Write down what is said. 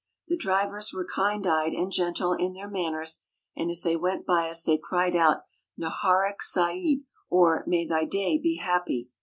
The drivers were kind eyed and gentle in their manners and as they went by us they cried out Neharak said, or "May thy day be happy!"